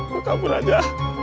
gue kabur aja